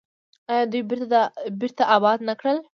آیا دوی بیرته اباد نه کړل؟